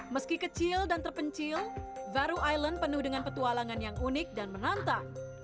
meski kecil dan terpencil varo island penuh dengan petualangan yang unik dan menantang